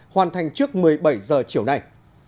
hoàn thành trước một mươi bảy h chiều nay